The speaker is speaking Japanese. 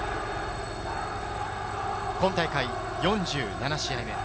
本大会、４７試合目。